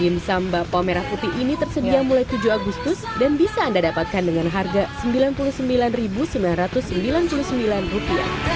dimsum bakpaw merah putih ini tersedia mulai tujuh agustus dan bisa anda dapatkan dengan harga rp sembilan puluh sembilan sembilan ratus sembilan puluh sembilan